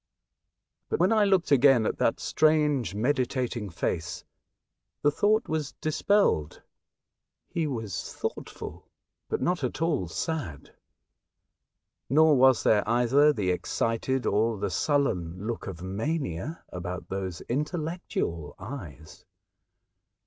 But when I looked again at that strange meditating face the thought was dispelled. He was thoughtful, but not at all sad; nor was there either the excited or the sullen look of mania about those intellectual eyes.